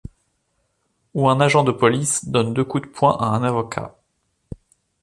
Où un agent de police donne deux coups de poing à un avocat